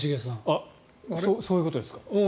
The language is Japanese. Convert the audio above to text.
そういうことですか？